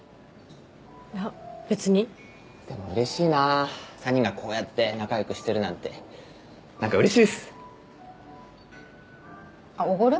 いや別にでもうれしいな３人がこうやって仲よくしてるなんてなんかうれしいですあっおごる？